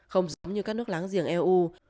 không giống như các nước láng giềng eu